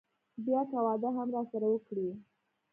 بيا که واده هم راسره وکړي.